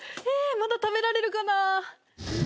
まだ食べられるかな？